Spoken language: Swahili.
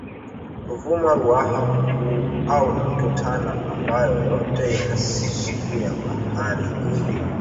Ruvuma Ruaha Mkuu au mto Tana ambayo yote inaishia katika Bahari Hindi